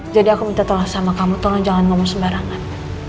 jadi aku minta tolong sama kamu tolong jangan ngomong sembarangan